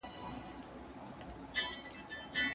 وَتِلْكَ الْأَمْثَالُ نَضْرِبُهَا لِلنَّاسِ.